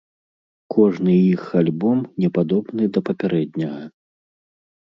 Кожны іх альбом не падобны да папярэдняга.